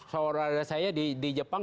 seorang dari saya di jepang